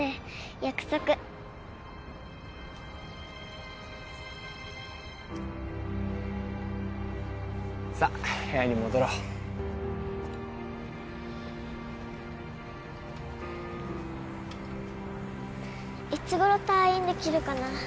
約束さあ部屋に戻ろういつ頃退院できるかな